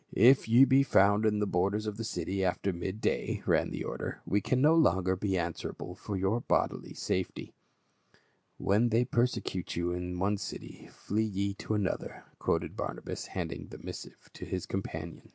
" If ye be found in the borders of the city after mid day," ran the order, " we can no longer be answer able for your bodily safety." " When they persecute }'Ou in one city flee ye to another," quoted Barnabas, handing the missive to his companion.